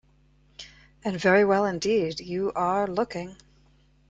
And very well indeed you are looking.